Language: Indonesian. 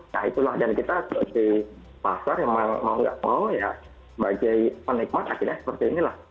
nah itulah dan kita seperti pasar memang mau nggak mau ya sebagai penikmat akhirnya seperti inilah